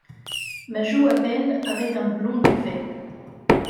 Ma joue à peine avait un blond duvet.